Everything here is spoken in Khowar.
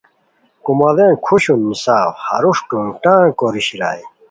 کوماڑین کھوشون نیساؤ ہروݰ ٹونگ ٹانگ کوری شیرائے